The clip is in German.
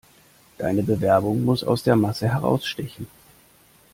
Deine Bewerbung muss aus der Masse herausstechen.